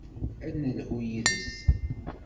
Ad d-nelhu yid-s.